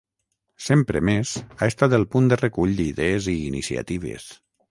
Sempre més ha estat el punt de recull d’idees i iniciatives.